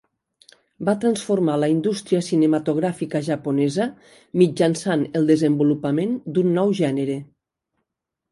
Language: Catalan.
Va transformar la indústria cinematogràfica japonesa mitjançant el desenvolupament d'un nou gènere.